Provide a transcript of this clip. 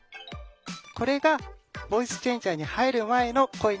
これがボイスチェンジャーに入る前の声になっています。